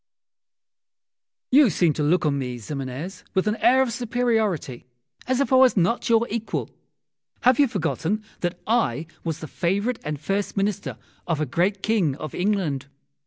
You seem to look on me, Ximenes, with an air of superiority, as if I was not your equal. Have you forgotten that I was the favourite and first Minister of a great King of England?